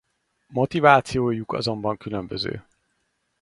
Motivációjuk azonban különböző.